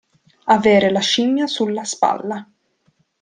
Avere la scimmia sulla spalla.